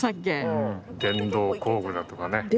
電動工具だとかね。